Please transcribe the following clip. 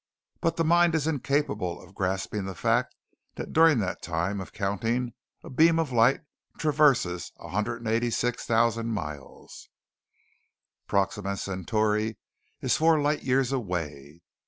But the mind is incapable of grasping the fact that during that time of counting, a beam of light traverses 186,000 miles. Proxima Centauri is four light years away.